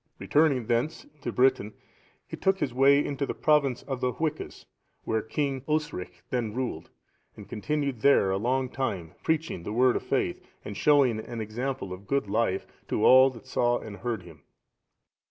Returning thence into Britain, he took his way into the province of the Hwiccas,(698) where King Osric then ruled,(699) and continued there a long time, preaching the Word of faith, and showing an example of good life to all that saw and heard him.